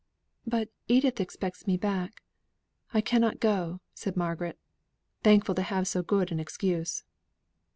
"But Edith expects me back I cannot go," said Margaret, thankful to have so good an excuse.